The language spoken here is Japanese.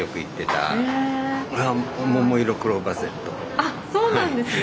あっそうなんですね。